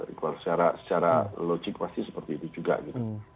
requal secara logik pasti seperti itu juga gitu